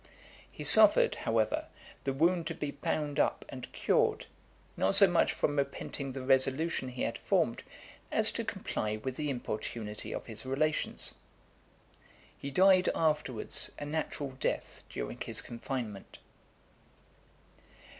He suffered, however, the wound to be bound up and cured, not so much from repenting the resolution he had formed, as to comply with the importunity of his relations. He died afterwards a natural death during his confinement.